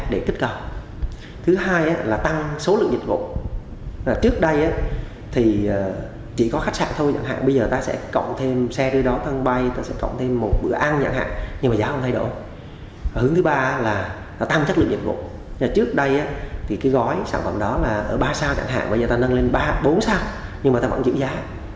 đó là ở ba sao chẳng hạn bây giờ ta nâng lên ba bốn sao nhưng mà ta vẫn giữ giá